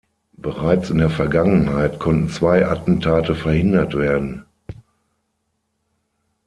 Bereits in der Vergangenheit konnten zwei Attentate verhindert werden.